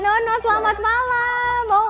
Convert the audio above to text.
nono selamat malam